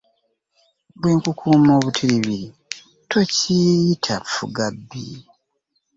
Bwe nkukuuma obutiribiri tokiyita ffugabbi.